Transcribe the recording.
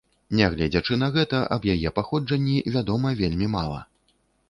Нягледзячы на гэта, аб яе паходжанні вядома вельмі мала.